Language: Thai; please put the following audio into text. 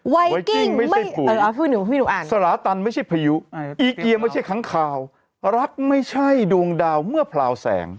ไวกิ่งไม่ใช่ฝุ่นสละตันไม่ใช่พยุอีเกียร์ไม่ใช่ขังคาวรักไม่ใช่ดวงดาวเมื่อเผาแสง